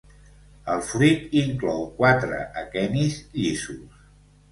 El fruit inclou quatre aquenis llisos.